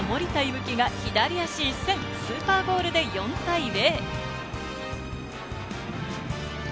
生が左足一閃、スーパーゴールで４対０。